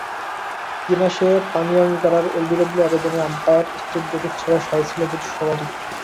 তিনাশে পানিয়াঙ্গারার এলবিডব্লু আবেদনে umpire Steve Davis ছাড়া সায় ছিল বুঝি সবারই।